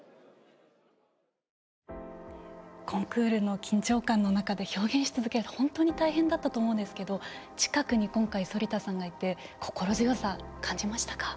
コンクールの緊張感の中で表現し続けるのは本当に大変だったと思うんですけど近くに今回、反田さんがいて心強さ、感じましたか。